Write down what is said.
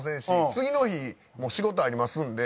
次の日も仕事ありますんで。